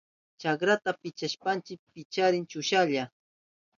Chakrata pichashpanchi kiparin chushahlla.